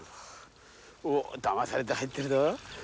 おっだまされて入ってるど。